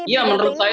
ya menurut saya